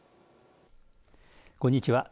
こんにちは。